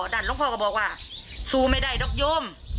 หลวงพ่อก็บอกว่าสู้ไม่ได้ดอกยม